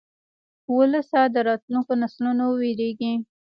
وسله د راتلونکو نسلونو وېرېږي